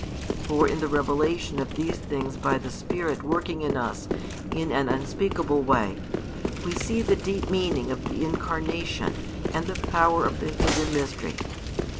For in the revelation of these things by the Spirit working in us in an unspeakable way, we see the deep meaning of the Incarnation and the power of the hidden mystery.